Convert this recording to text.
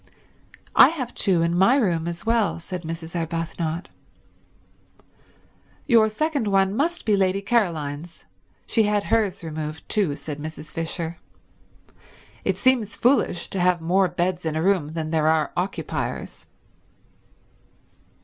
"I have two in my room as well," said Mrs. Arbuthnot. "Your second one must be Lady Caroline's. She had hers removed too," said Mrs. Fisher. "It seems foolish to have more beds in a room than there are occupiers."